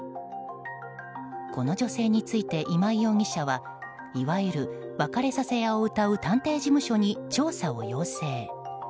この女性について、今井容疑者はいわゆる別れさせ屋をうたう探偵事務所に調査を要請。